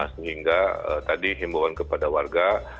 sehingga tadi himbawan kepada warga